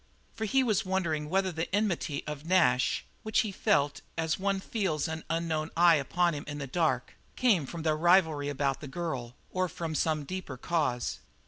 For he was wondering whether the enmity of Nash, which he felt as one feels an unknown eye upon him in the dark, came from their rivalry about the girl, or from some deeper cause.